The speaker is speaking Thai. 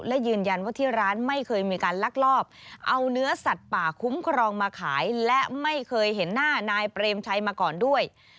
และยืนยันว่าที่ร้านไม่เคยมีการลักลอบเอาเนื้อสัตว์ป่าคุ้มครองมาขายและไม่เคยเห็นหน้านายเปรมชัยมาก่อนด้วย